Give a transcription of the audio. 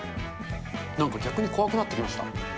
なんか、逆に怖くなってきました。